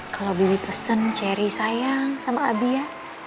kalau bibi pesen cherry sayang sama abi ya